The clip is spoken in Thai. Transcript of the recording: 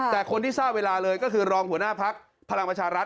แต่คนที่ทราบเวลาเลยก็คือรองหัวหน้าพักพลังประชารัฐ